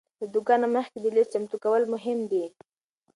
له دوکانه مخکې د لیست چمتو کول مهم دی.